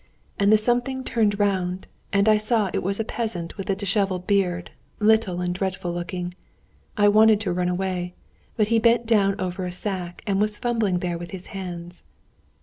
"And the something turned round, and I saw it was a peasant with a disheveled beard, little, and dreadful looking. I wanted to run away, but he bent down over a sack, and was fumbling there with his hands...."